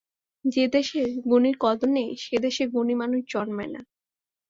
যে দেশে গুণীর কদর নেই, সে দেশে গুণী মানুষ জন্মায় না।